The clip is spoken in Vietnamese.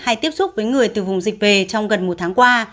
hay tiếp xúc với người từ vùng dịch về trong gần một tháng qua